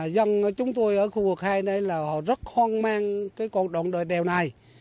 dân chúng tôi ở khu vực hai này là họ rất hoang mang cái cộng đồng đòi đèo này